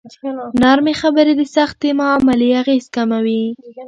نرمې خبرې د سختې معاملې اغېز کموي.